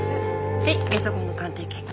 はいゲソ痕の鑑定結果。